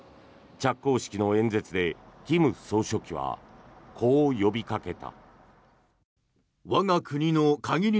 着工式の演説で金総書記はこう呼びかけた。